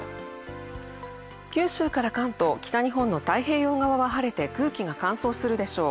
九州から関東、北日本の太平洋側は晴れて、空気が乾燥するでしょう。